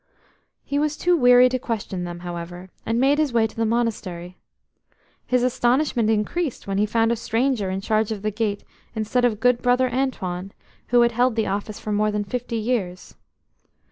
He was too weary to question them, however, and made his way to the Monastery. His astonishment increased when he found a stranger in charge of the gate instead of good Brother Antoine, who had held the office for more than fifty years.